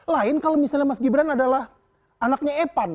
lain kalau misalnya mas gibran adalah anaknya epan